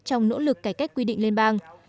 trong nỗ lực cải cách quy định liên bang